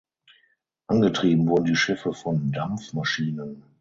Angetrieben wurden die Schiffe von Dampfmaschinen.